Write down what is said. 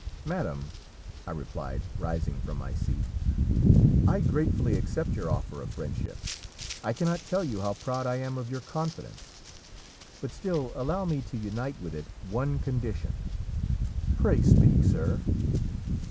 "Madam," I replied, rising from my seat, "I gratefully accept your offer of friendship. I cannot tell you how proud I am of your confidence; but still, allow me to unite with it one condition." "Pray speak, sir."